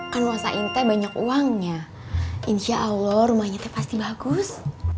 kan masain banyak uangnya insya allah rumahnya pasti bagus